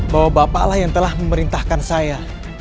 bahwa bapaklah yang telah memerintahkan saya